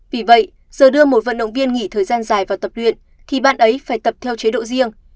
vì vậy giờ đưa một vận động viên nghỉ thời gian dài vào tập luyện thì bạn ấy phải tập theo chế độ riêng